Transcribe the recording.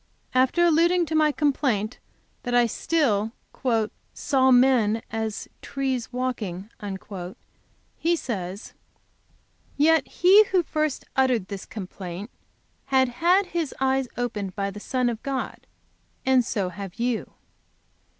After alluding to my complaint that I still "saw men as trees walking," he says: "Yet he who first uttered this complaint had had his eyes opened by the Son of God, and so have you.